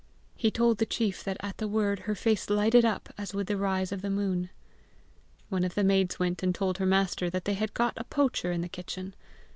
He told the chief that at the word her face lighted up as with the rise of the moon. One of the maids went and told her master that they had got a poacher in the kitchen.